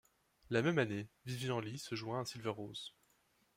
La même année, Vivian Lee se joint à Silver-Rose.